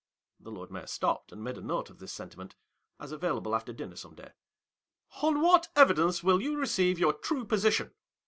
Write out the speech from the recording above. (The Lord Mayor stopped and made a note of this sentiment, as available after dinner some day.) "On what evidence will you receive your true position